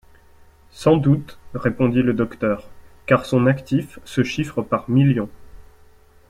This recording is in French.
Sans doute, répondit le docteur, car son actif se chiffre par millions.